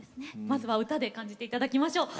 まずは歌で感じて頂きましょう。